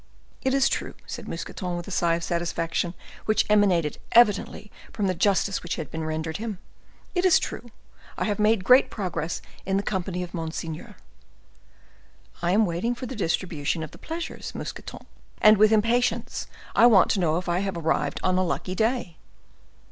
"It is true," said Mousqueton, with a sigh of satisfaction, which emanated evidently from the justice which had been rendered him, "it is true I have made great progress in the company of monseigneur." "I am waiting for the distribution of the pleasures, Mousqueton, and with impatience. I want to know if I have arrived on a lucky day."